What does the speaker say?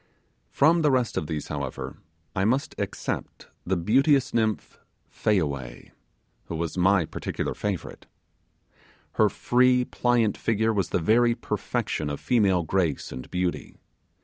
From the rest of these, however, I must except the beauteous nymph Fayaway, who was my peculiar favourite. Her free pliant figure was the very perfection of female grace and beauty.